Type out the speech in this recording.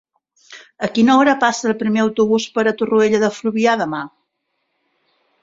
A quina hora passa el primer autobús per Torroella de Fluvià demà?